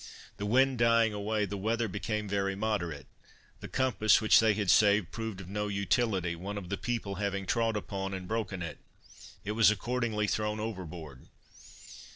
The wind dying away, the weather became very moderate. The compass which they had saved proved of no utility, one of the people having trod upon, and broken it; it was accordingly thrown overboard.